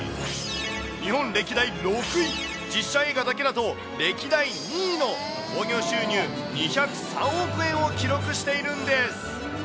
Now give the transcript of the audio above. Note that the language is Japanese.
日本歴代６位、実写映画だけだと歴代２位の興行収入２０３億円を記録しているんです。